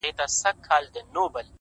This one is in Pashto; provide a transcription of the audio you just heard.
هدف واضح وي نو ویره کمېږي